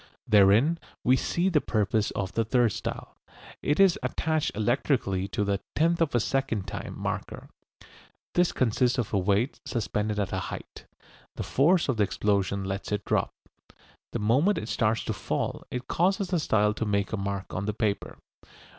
Therein we see the purpose of the third style. It is attached electrically to the "tenth of a second time marker." This consists of a weight suspended at a height. The force of the explosion lets it drop. The moment it starts to fall it causes the style to make a mark on the paper.